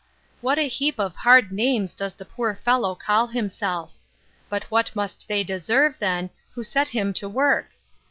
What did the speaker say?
What a heap of hard names does the poor fellow call himself! But what must they deserve, then, who set him to work?